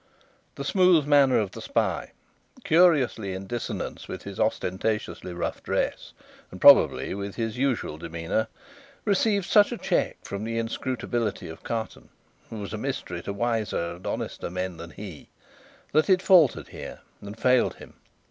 The smooth manner of the spy, curiously in dissonance with his ostentatiously rough dress, and probably with his usual demeanour, received such a check from the inscrutability of Carton, who was a mystery to wiser and honester men than he, that it faltered here and failed him.